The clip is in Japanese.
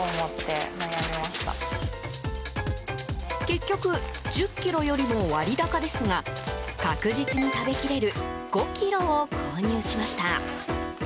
結局１０ｋｇよりも割高ですが確実に食べきれる５ｋｇを購入しました。